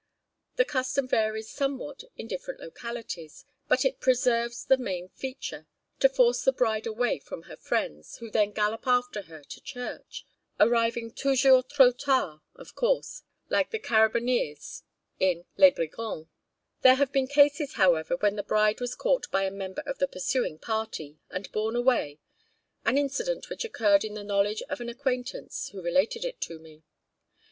The custom varies somewhat in different localities, but it preserves the main feature, to force the bride away from her friends, who then gallop after her to church, arriving toujours trop tard, of course, like the carabineers in 'Les Brigands.' There have been cases, however, when the bride was caught by a member of the pursuing party, and borne away an incident which occurred in the knowledge of an acquaintance, who related it to me.